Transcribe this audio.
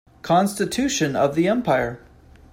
Constitution of the empire.